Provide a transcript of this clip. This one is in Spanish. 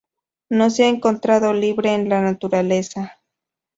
No se ha encontrado libre en la naturaleza.